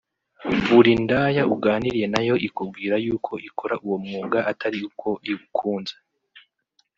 Buri ndaya uganiriye nayo ikubwira yuko ikora uwo mwuga atari uko iwukunze